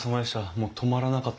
もう止まらなかったです。